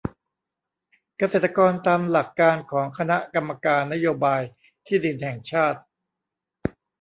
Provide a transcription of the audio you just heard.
เกษตรกรตามหลักการของคณะกรรมการนโยบายที่ดินแห่งชาติ